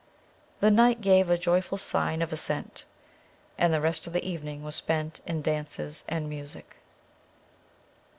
The knight gave a joyful sign of assent; and the rest of the evening was spent in dances and music.